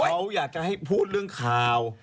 เราอยากจะให้พูดเรื่องข่าว